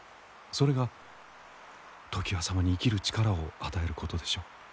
それが常磐様に生きる力を与えることでしょう。